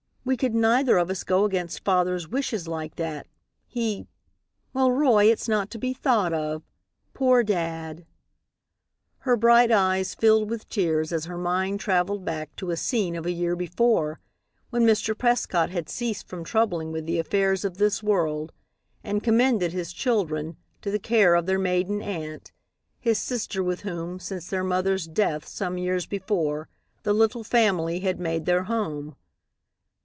We could neither of us go against father's wishes like that. He well, Roy, it's not to be thought of. Poor dad " Her bright eyes filled with tears as her mind travelled back to a scene of a year before when Mr. Prescott had ceased from troubling with the affairs of this world, and commended his children to the care of their maiden aunt his sister with whom, since their mother's death some years before, the little family had made their home.